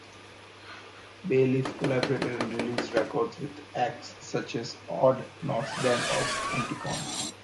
Bailiff collaborated and released records with acts such as Odd Nosdam of Anticon.